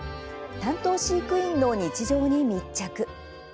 担当飼育員の日常に密着。